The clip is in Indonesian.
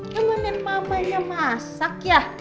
nemenin mamanya masak ya